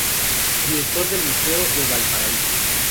Director del Museo de Valparaíso.